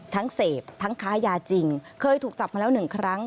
เสพทั้งค้ายาจริงเคยถูกจับมาแล้วหนึ่งครั้ง